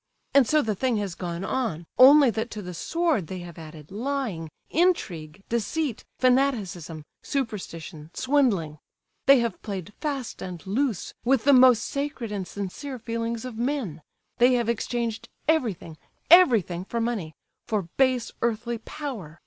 And so the thing has gone on, only that to the sword they have added lying, intrigue, deceit, fanaticism, superstition, swindling;—they have played fast and loose with the most sacred and sincere feelings of men;—they have exchanged everything—everything for money, for base earthly _power!